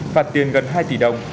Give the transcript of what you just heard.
phạt tiền gần hai tỷ đồng